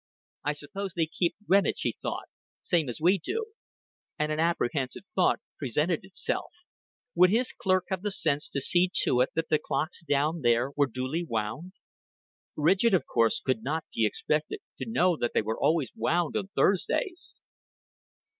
"I suppose they keep Greenwich," he thought, "same as we do;" and an apprehensive doubt presented itself. Would his clerk have the sense to see to it, that the clocks down there were duly wound? Ridgett, of course, could not be expected to know that they were always wound on Thursdays.